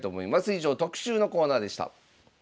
以上特集のコーナーでした。